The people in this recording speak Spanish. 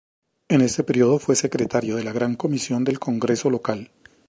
En este período fue Secretario de la Gran Comisión del Congreso Local.